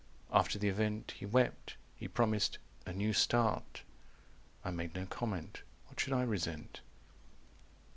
After the event He wept. He promised 'a new start'. I made no comment. What should I resent?"